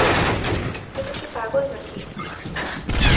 তুমি কি পাগল নাকি?